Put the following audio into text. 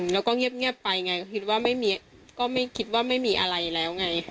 แล้วก็เงียบไปไงก็คิดว่าไม่มีอะไรแล้วไง